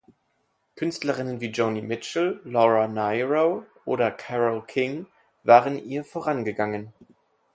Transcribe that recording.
Künstlerinnen wie Joni Mitchell, Laura Nyro oder Carole King waren ihr vorangegangen.